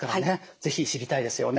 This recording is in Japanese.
是非知りたいですよね。